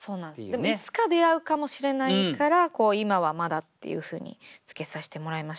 でもいつか出会うかもしれないから「今はまだ」っていうふうにつけさせてもらいました。